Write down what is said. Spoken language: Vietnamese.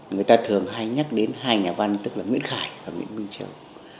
người ta thường hay nhắc đến hai nhà văn tức là nguyễn khải và nguyễn minh triều